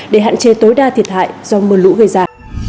để hạn chế tối đa thiệt hại do mưa lũ gây ra